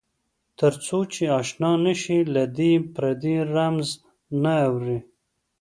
تر څو چې آشنا نه شې له دې پردې رمز نه اورې.